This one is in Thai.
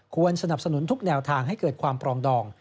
สนับสนุนทุกแนวทางให้เกิดความปรองดอง